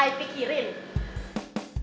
masa mbak pikirin